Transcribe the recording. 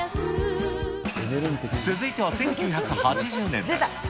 続いては１９８０年代。